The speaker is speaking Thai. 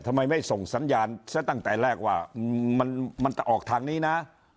ทำไมไม่ส่งสัญญาณซะตั้งแต่แรกว่ามันจะออกทางนี้นะ